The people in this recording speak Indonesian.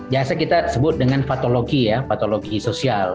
biasa kita sebut dengan patologi ya patologi sosial